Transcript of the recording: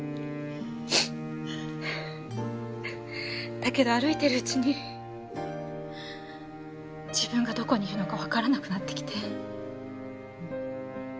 だけど歩いてるうちに自分がどこにいるのかわからなくなってきて。